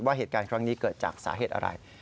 เหตุการณ์ครั้งนี้เกิดจากสาเหตุอะไร